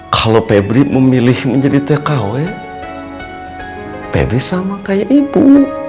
kalau pepri memilih menjadi tkw pepri sama kayak ibu